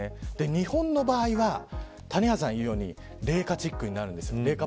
日本の場合は谷原さんが言うように冷夏チックになる。